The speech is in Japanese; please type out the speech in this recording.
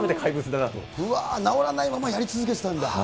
治らないまま、やり続けてたんだ。